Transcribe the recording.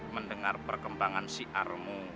mendengar perkembangan siarmu